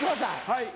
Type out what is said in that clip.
はい。